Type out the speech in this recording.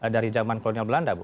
dari zaman kolonial belanda bu